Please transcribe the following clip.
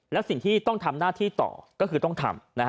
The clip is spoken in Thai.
แล้วสิ่งที่ต้องทำหน้าที่ต่อก็คือต้องทำ